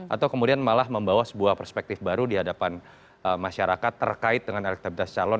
atau kemudian malah membawa sebuah perspektif baru di hadapan masyarakat terkait dengan elektabilitas calon